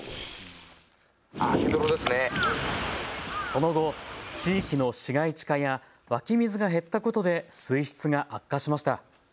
その後、地域の市街地化や湧き水が減ったことで水質が悪化しました。